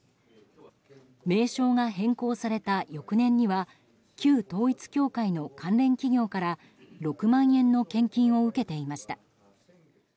名称が変更された翌年には旧統一教会の関連企業から６万円の献金を受けていました。